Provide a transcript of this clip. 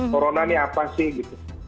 corona ini apa sih gitu